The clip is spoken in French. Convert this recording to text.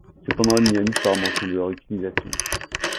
Cependant, il n’y a nulle part mention de leur utilisation.